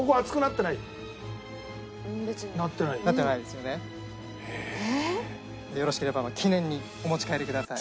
よろしければ記念にお持ち帰りください。